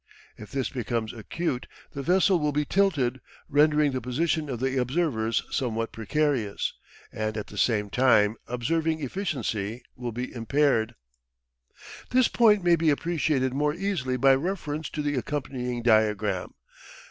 If this become acute the vessel will be tilted, rendering the position of the observers somewhat precarious, and at the same time observing efficiency will be impaired. This point may be appreciated more easily by reference to the accompanying diagram.